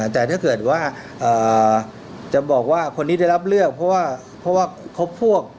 แต่ถ้าเกิดว่าจะบอกว่าคนนี้ได้รับเลือกเพราะว่าเพราะว่าครบพวก